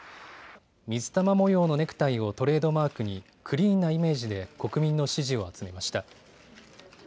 水玉模様のネクタイをトレードマークにクリーンなイメージで国民の支持を集めました。